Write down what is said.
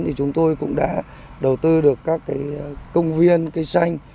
thì chúng tôi cũng đã đầu tư được các công viên cây xanh